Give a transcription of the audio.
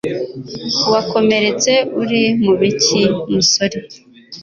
wakomeretse uri mubiki musore